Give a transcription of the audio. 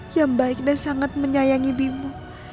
yang baik dan sangat menyayangi bimo